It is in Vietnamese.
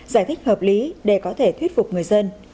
giải thích hợp lý để có thể thuyết phục người dân